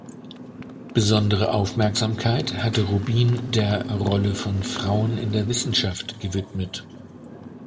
Besondere Aufmerksamkeit hatte Rubin der Rolle von Frauen in der Wissenschaft gewidmet.